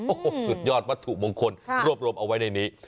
โอ้โหสุดยอดวัตถุมงคลรวบรวมเอาไว้ในนี้